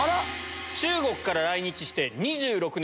中国から来日して２６年、